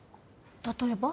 例えば？